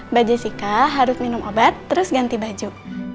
mbak jessica harus minum obat terus ganti baju